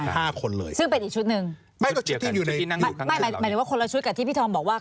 หมายถึงว่าคนละชุดกับที่พี่ทอมบอกว่า